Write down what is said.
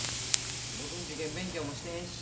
ろくに受験勉強もしてへんし。